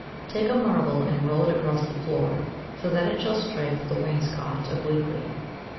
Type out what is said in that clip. Take a marble and roll it across the floor, so that it shall strike the wainscot obliquely.